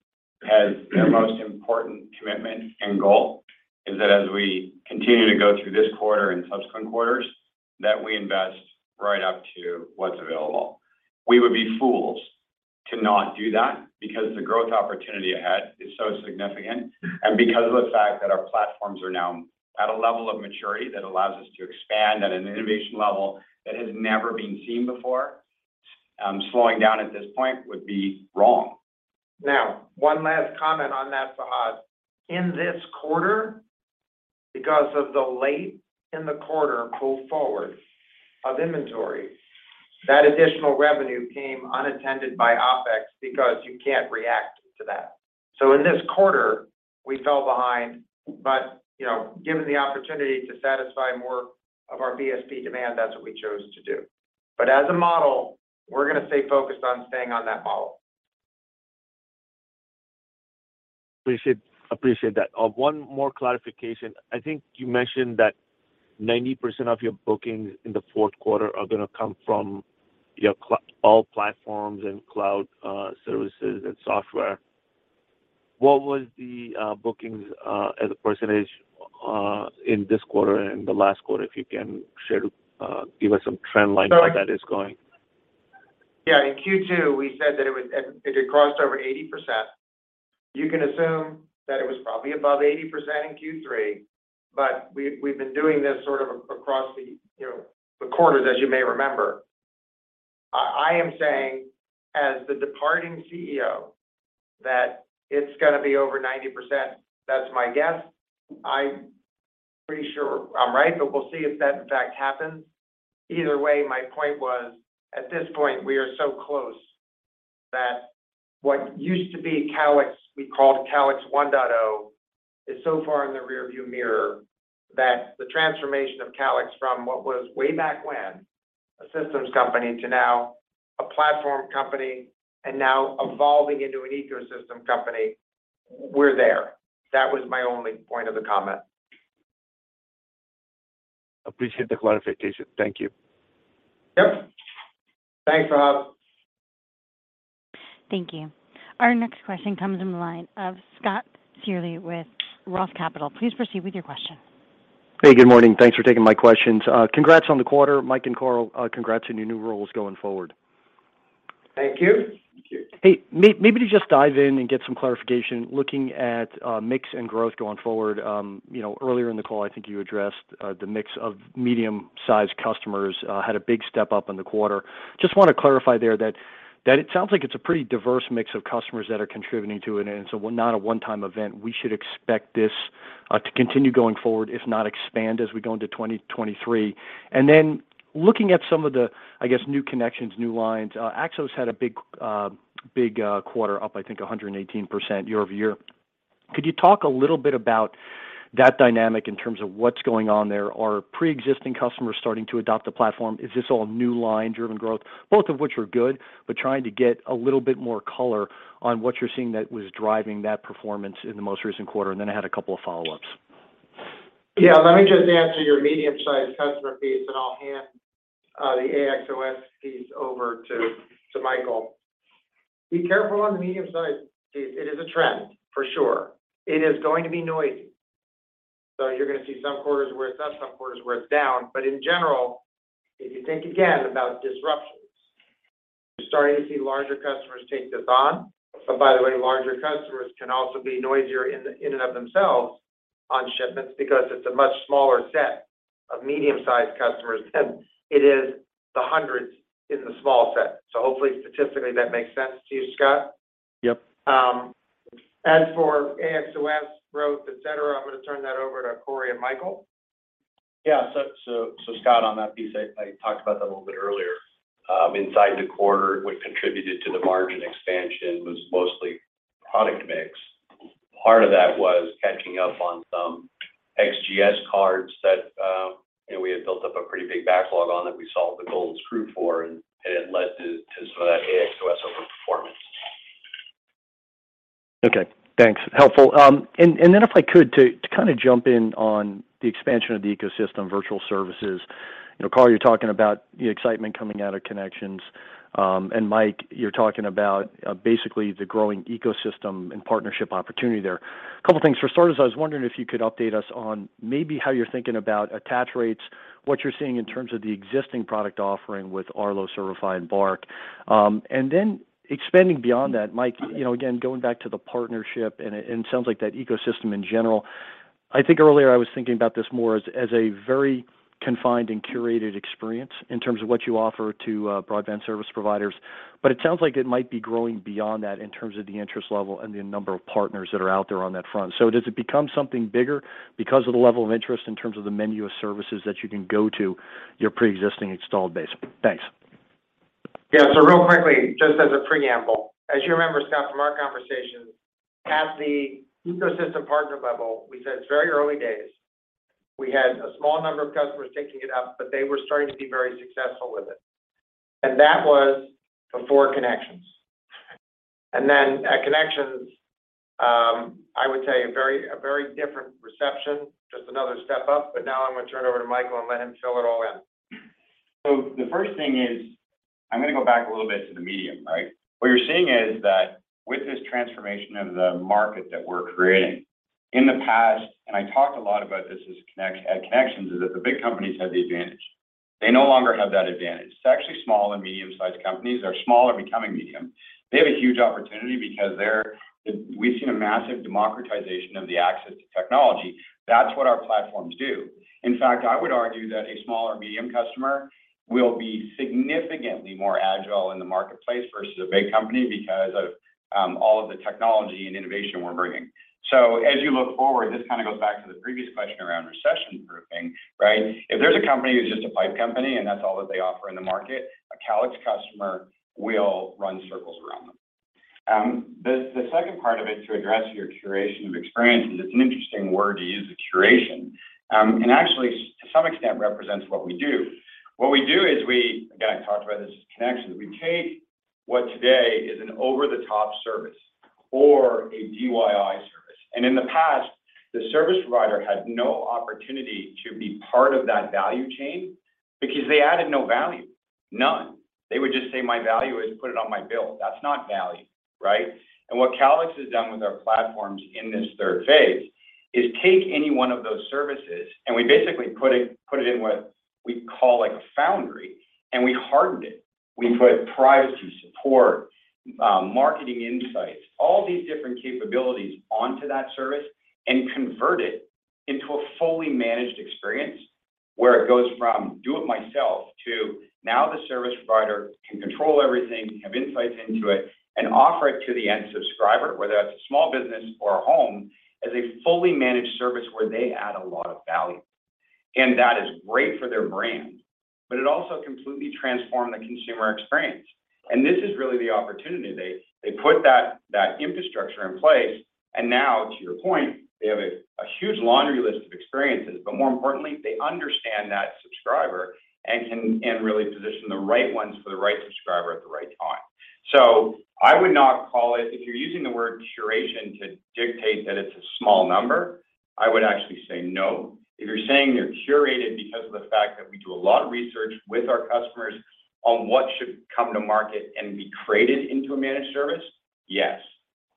has their most important commitment and goal is that as we continue to go through this quarter and subsequent quarters, that we invest right up to what's available. We would be fools to not do that because the growth opportunity ahead is so significant, and because of the fact that our platforms are now at a level of maturity that allows us to expand at an innovation level that has never been seen before. Slowing down at this point would be wrong. Now, one last comment on that, Fahad. In this quarter, because of the late in the quarter pull forward of inventory, that additional revenue came unattended by OpEx because you can't react to that. In this quarter, we fell behind. you know, given the opportunity to satisfy more of our BSP demand, that's what we chose to do. as a model, we're going to stay focused on staying on that model.
Appreciate that. One more clarification. I think you mentioned that 90% of your bookings in the fourth quarter are going to come from your all platforms and cloud services and software. What was the bookings as a percentage in this quarter and the last quarter? If you can share, give us some trend line where that is going.
Yeah. In Q2, we said that it had crossed over 80%. You can assume that it was probably above 80% in Q3, but we've been doing this sort of across the, you know, the quarters as you may remember. I am saying as the departing CEO that it's gonna be over 90%. That's my guess. I'm pretty sure I'm right, but we'll see if that in fact happens. Either way, my point was, at this point, we are so close that what used to be Calix, we called Calix 1.0, is so far in the rear view mirror that the transformation of Calix from what was way back when, a systems company to now a platform company and now evolving into an ecosystem company, we're there. That was my only point of the comment.
Appreciate the clarification. Thank you.
Yep. Thanks, Fahad Najam.
Thank you. Our next question comes from the line of Scott Searle with Rosenblatt Securities. Please proceed with your question.
Hey, good morning. Thanks for taking my questions. Congrats on the quarter, Mike and Carl. Congrats on your new roles going forward.
Thank you.
Thank you.
Hey, maybe just dive in and get some clarification looking at mix and growth going forward. You know, earlier in the call, I think you addressed the mix of medium-sized customers had a big step up in the quarter. Just want to clarify there that it sounds like it's a pretty diverse mix of customers that are contributing to it. We're not a one-time event. We should expect this to continue going forward, if not expand as we go into 2023. Then looking at some of the new connections, new lines, AXOS had a big quarter up, I think 118% year-over-year. Could you talk a little bit about that dynamic in terms of what's going on there? Are pre-existing customers starting to adopt the platform? Is this all new line driven growth? Both of which are good, but trying to get a little bit more color on what you're seeing that was driving that performance in the most recent quarter, and then I had a couple of follow-ups.
Yeah. Let me just answer your medium-sized customer piece, and I'll hand the AXOS piece over to Michael. Be careful on the medium size piece. It is a trend for sure. It is going to be noisy. You're gonna see some quarters where it's up, some quarters where it's down. In general, if you think again about disruptions, you're starting to see larger customers take this on. By the way, larger customers can also be noisier in and of themselves on shipments because it's a much smaller set of medium-sized customers than it is the hundreds in the small set. Hopefully, statistically, that makes sense to you, Scott.
Yep.
As for AXOS growth, et cetera, I'm gonna turn that over to Cory and Michael.
Yeah, Scott, on that piece, I talked about that a little bit earlier. Inside the quarter, what contributed to the margin expansion was mostly product mix. Part of that was catching up on some XGS cards that, you know, we had built up a pretty big backlog on that we solved the golden screw for, and it led to some of that AXOS overperformance.
Okay. Thanks. Helpful. If I could, too, to kinda jump in on the expansion of the ecosystem virtual services. You know, Carl, you're talking about the excitement coming out of ConneXions, and Mike, you're talking about basically the growing ecosystem and partnership opportunity there. A couple of things. For starters, I was wondering if you could update us on maybe how you're thinking about attach rates, what you're seeing in terms of the existing product offering with Arlo, Servify, and Bark. Expanding beyond that, Mike, you know, again, going back to the partnership and it sounds like that ecosystem in general. I think earlier I was thinking about this more as a very confined and curated experience in terms of what you offer to, broadband service providers, but it sounds like it might be growing beyond that in terms of the interest level and the number of partners that are out there on that front. Does it become something bigger because of the level of interest in terms of the menu of services that you can go to your pre-existing installed base? Thanks.
Yeah. Real quickly, just as a preamble. As you remember, Scott, from our conversations, at the ecosystem partner level, we said it's very early days. We had a small number of customers taking it up, but they were starting to be very successful with it. That was before ConneXions. Then at ConneXions, I would tell you a very different reception, just another step up. Now I'm gonna turn it over to Michael and let him fill it all in.
The first thing is I'm gonna go back a little bit to the medium, right? What you're seeing is that with this transformation of the market that we're creating, in the past, and I talked a lot about this at ConneXions, is that the big companies had the advantage. They no longer have that advantage. It's actually small and medium-sized companies or small or becoming medium. They have a huge opportunity because we've seen a massive democratization of the access to technology. That's what our platforms do. In fact, I would argue that a small or medium customer will be significantly more agile in the marketplace versus a big company because of all of the technology and innovation we're bringing. As you look forward, this kinda goes back to the previous question around recession proofing, right? If there's a company that's just a pipe company, and that's all that they offer in the market, a Calix customer will run circles around them. The second part of it to address your curation of experiences, it's an interesting word to use, the curation. Actually to some extent represents what we do. What we do is we, again, I talked about this as ConneXions. We take what today is an over-the-top service or a DIY
In the past, the service provider had no opportunity to be part of that value chain because they added no value, none. They would just say, "My value is put it on my bill." That's not value, right? What Calix has done with our platforms in this third phase is take any one of those services, and we basically put it in what we call, like, a foundry, and we hardened it. We put privacy, support, marketing insights, all these different capabilities onto that service and convert it into a fully managed experience where it goes from do it myself to now the service provider can control everything, have insights into it and offer it to the end subscriber, whether that's a small business or a home, as a fully managed service where they add a lot of value. That is great for their brand, but it also completely transformed the consumer experience. This is really the opportunity. They put that infrastructure in place, and now to your point, they have a huge laundry list of experiences, but more importantly, they understand that subscriber and can really position the right ones for the right subscriber at the right time. I would not call it. If you're using the word curation to dictate that it's a small number, I would actually say no. If you're saying they're curated because of the fact that we do a lot of research with our customers on what should come to market and be created into a managed service, yes.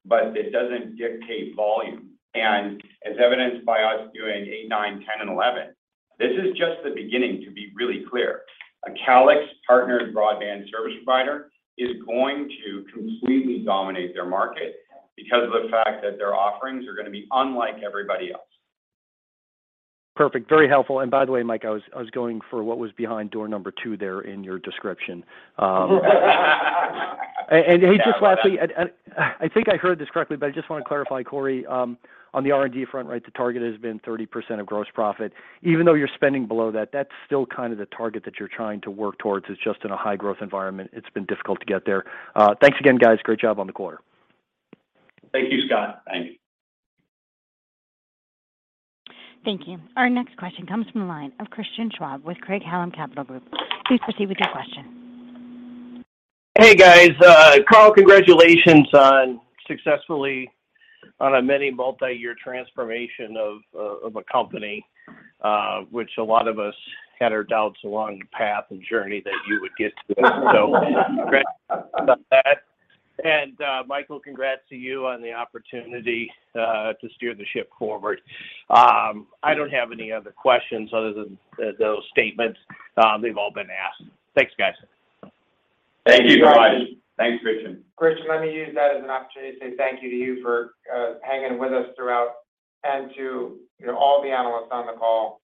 But it doesn't dictate volume. As evidenced by us doing eight, nine, 10 and 11, this is just the beginning to be really clear. A Calix partnered broadband service provider is going to completely dominate their market because of the fact that their offerings are gonna be unlike everybody else.
Perfect. Very helpful. By the way, Mike, I was going for what was behind door number two there in your description. Hey, just lastly, I think I heard this correctly, but I just want to clarify, Cory. On the R&D front, right, the target has been 30% of gross profit. Even though you're spending below that's still kind of the target that you're trying to work towards. It's just in a high growth environment, it's been difficult to get there. Thanks again, guys. Great job on the quarter.
Thank you, Scott.
Thank you.
Thank you. Our next question comes from the line of Christian Schwab with Craig-Hallum Capital Group. Please proceed with your question.
Hey, guys. Carl, congratulations on successfully on a many multi-year transformation of a company, which a lot of us had our doubts along the path and journey that you would get to. Congrats on that. Michael, congrats to you on the opportunity to steer the ship forward. I don't have any other questions other than those statements. They've all been asked. Thanks, guys.
Thank you.
Thanks, Christian.
Christian, let me use that as an opportunity to say thank you to you for hanging with us throughout and to, you know, all the analysts on the call.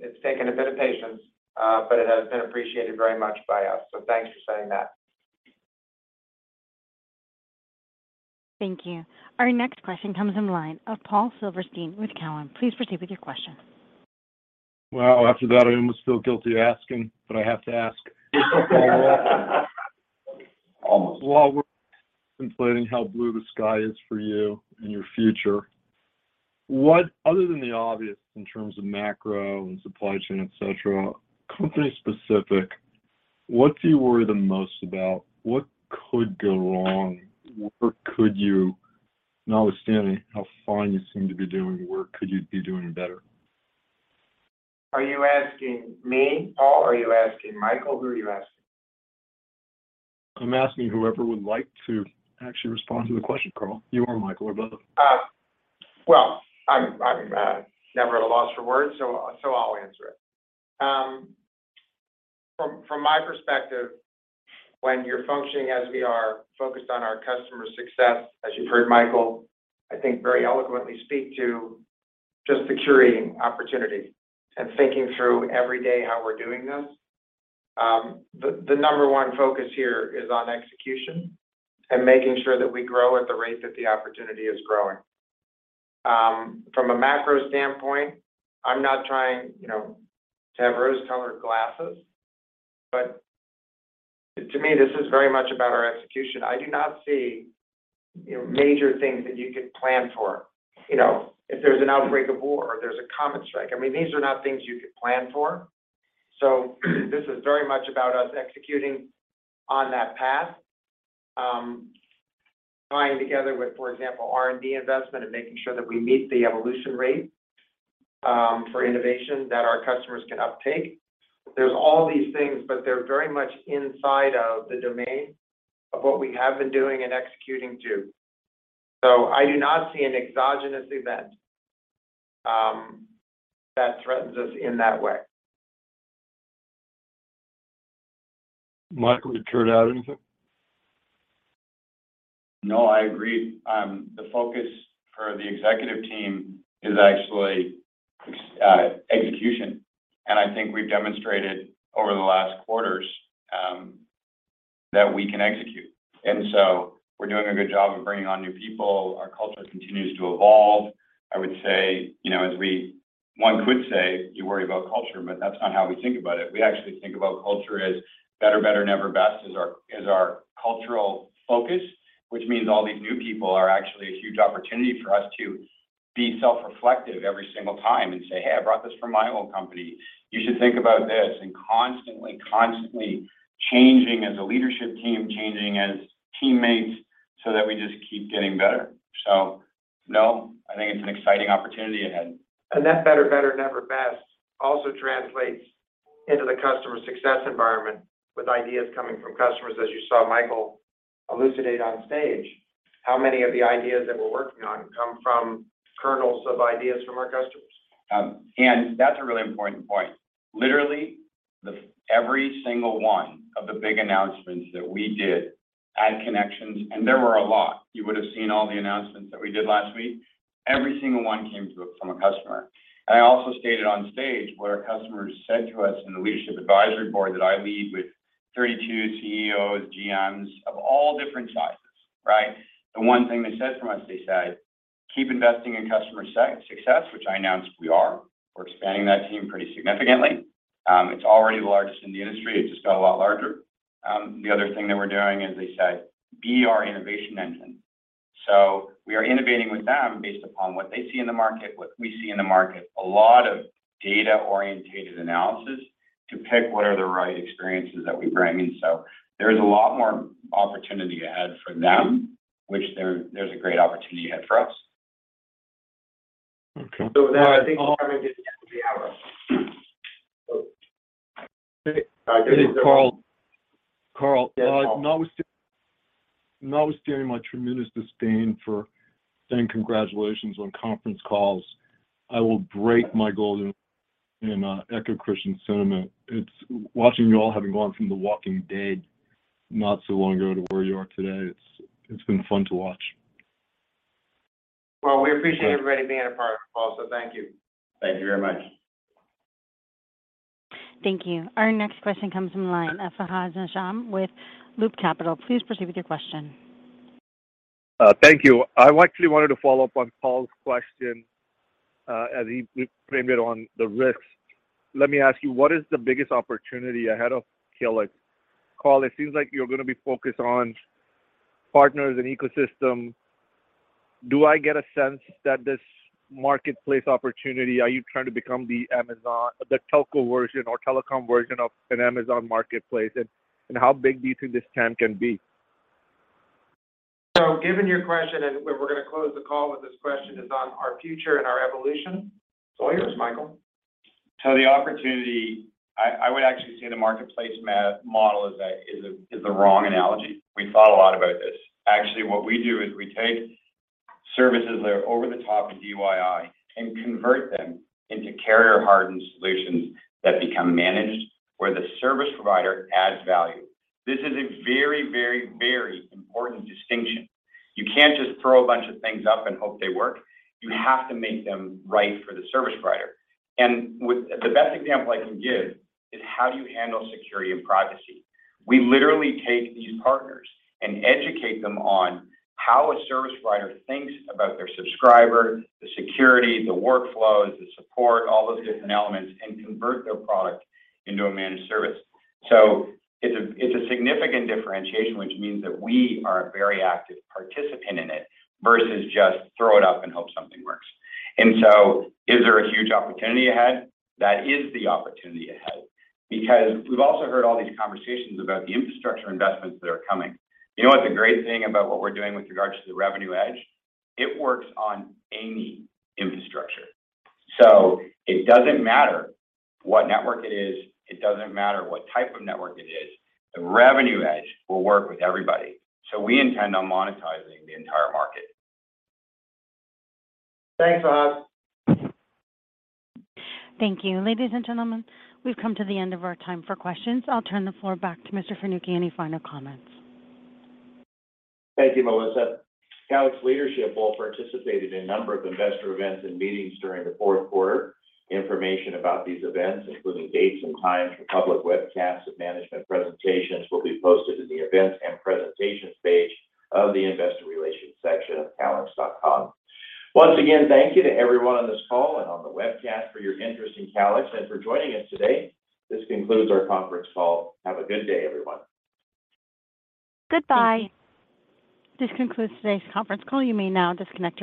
It's taken a bit of patience, but it has been appreciated very much by us. Thanks for saying that.
Thank you. Our next question comes from the line of Paul Silverstein with Cowen. Please proceed with your question.
Well, after that, I almost feel guilty asking, but I have to ask. While we're contemplating how blue the sky is for you and your future, what, other than the obvious in terms of macro and supply chain, et cetera, company specific, what do you worry the most about? What could go wrong? Where could you, notwithstanding how fine you seem to be doing, where could you be doing better?
Are you asking me, Paul, or are you asking Michael? Who are you asking?
I'm asking whoever would like to actually respond to the question, Carl. You or Michael or both.
Well, I'm never at a loss for words, so I'll answer it. From my perspective, when you're functioning as we are, focused on our customer success, as you've heard Michael, I think very eloquently speak to just securing opportunity and thinking through every day how we're doing this. The number one focus here is on execution and making sure that we grow at the rate that the opportunity is growing. From a macro standpoint, I'm not trying, you know, to have rose-colored glasses, but to me, this is very much about our execution. I do not see, you know, major things that you could plan for. You know, if there's an outbreak of war, there's a comet strike, I mean, these are not things you could plan for. This is very much about us executing on that path, tying together with, for example, R&D investment and making sure that we meet the evolution rate, for innovation that our customers can uptake. There's all these things, but they're very much inside of the domain of what we have been doing and executing to. I do not see an exogenous event, that threatens us in that way.
Michael, would you add anything?
No, I agree. The focus for the executive team is actually execution. I think we've demonstrated over the last quarters that we can execute. We're doing a good job of bringing on new people. Our culture continues to evolve. I would say one could say you worry about culture, but that's not how we think about it. We actually think about culture as better, never best is our cultural focus, which means all these new people are actually a huge opportunity for us to be self-reflective every single time and say, "Hey, I brought this from my old company. You should think about this." Constantly changing as a leadership team, changing as teammates so that we just keep getting better. No, I think it's an exciting opportunity ahead.
That better, never best also translates into the customer success environment with ideas coming from customers, as you saw Michael elucidate on stage. How many of the ideas that we're working on come from kernels of ideas from our customers?
That's a really important point. Literally, every single one of the big announcements that we did at ConneXions, and there were a lot, you would have seen all the announcements that we did last week. Every single one came from a customer. I also stated on stage what our customers said to us in the leadership advisory board that I lead with 32 CEOs, GMs of all different sizes, right? The one thing they said to us, they said, "Keep investing in customer success," which I announced we are. We're expanding that team pretty significantly. It's already the largest in the industry. It just got a lot larger. The other thing that we're doing is they said, "Be our innovation engine." We are innovating with them based upon what they see in the market, what we see in the market. A lot of data-oriented analysis to pick what are the right experiences that we bring. There is a lot more opportunity ahead for them, which there's a great opportunity ahead for us.
Okay.
With that, I think our time is just about to be out.
Hey, hey Carl. Carl, notwithstanding my tremendous disdain for saying congratulations on conference calls, I will break my golden rule and echo Christian's sentiment. Watching you all having gone from the Walking Dead not so long ago to where you are today, it's been fun to watch.
Well, we appreciate everybody being a part of the call, so thank you.
Thank you very much.
Thank you. Our next question comes from the line of Fahad Najam with Loop Capital. Please proceed with your question.
I actually wanted to follow up on Paul's question, as we framed it on the risks. Let me ask you, what is the biggest opportunity ahead of Calix? Carl, it seems like you're gonna be focused on partners and ecosystem. Do I get a sense that this marketplace opportunity, are you trying to become the Amazon, the telco version or telecom version of an Amazon marketplace? And how big do you think this trend can be?
Given your question, and we're gonna close the call with this question is on our future and our evolution. It's all yours, Michael.
The opportunity, I would actually say the marketplace model is the wrong analogy. We thought a lot about this. Actually, what we do is we take services that are over the top of DIY and convert them into carrier-hardened solutions that become managed, where the service provider adds value. This is a very important distinction. You can't just throw a bunch of things up and hope they work. You have to make them right for the service provider. The best example I can give is how do you handle security and privacy? We literally take these partners and educate them on how a service provider thinks about their subscriber, the security, the workflows, the support, all those different elements, and convert their product into a managed service. It's a significant differentiation, which means that we are a very active participant in it versus just throw it up and hope something works. Is there a huge opportunity ahead? That is the opportunity ahead. Because we've also heard all these conversations about the infrastructure investments that are coming. You know what's a great thing about what we're doing with regards to the Revenue EDGE? It works on any infrastructure. It doesn't matter what network it is. It doesn't matter what type of network it is. The Revenue EDGE will work with everybody. We intend on monetizing the entire market.
Thanks, Fahad.
Thank you. Ladies and gentlemen, we've come to the end of our time for questions. I'll turn the floor back to Mr. Fanucchi. Any final comments?
Thank you, Melissa. Calix leadership all participated in a number of investor events and meetings during the fourth quarter. Information about these events, including dates and times for public webcasts of management presentations, will be posted in the Events and Presentations page of the Investor Relations section of calix.com. Once again, thank you to everyone on this call and on the webcast for your interest in Calix and for joining us today. This concludes our conference call. Have a good day, everyone.
Goodbye. This concludes today's conference call. You may now disconnect your line.